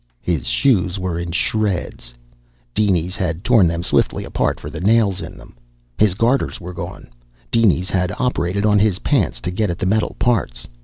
His shoes were shreds. Dinies had torn them swiftly apart for the nails in them. His garters were gone. Dinies had operated on his pants to get at the metal parts.